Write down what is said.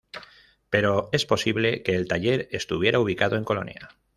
Pero es posible que el taller estuviera ubicado en Colonia.